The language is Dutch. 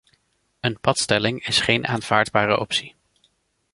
Een patstelling is geen aanvaardbare optie.